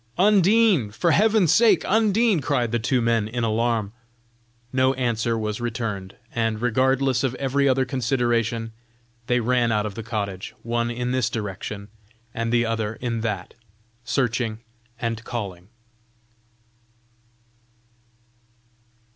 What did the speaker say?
"Undine! for Heaven's sake, Undine." cried the two men in alarm. No answer was returned, and regardless of every other consideration, they ran out of the cottage, one in this direction, and the other in that, searching and calling.